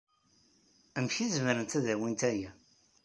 Amek ay zemrent ad awyent aya?